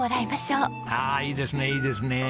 ああいいですねいいですねえ。